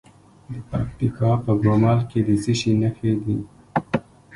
د پکتیکا په ګومل کې د څه شي نښې دي؟